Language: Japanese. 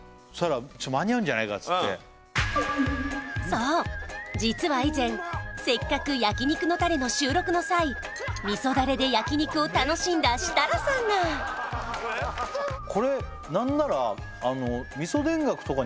そうそう実は以前せっかく焼肉のタレの収録の際味噌ダレで焼き肉を楽しんだ設楽さんがこれ何ならあっ！